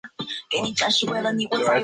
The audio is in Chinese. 本鱼栖息于海岸沼泽与泛滥区域。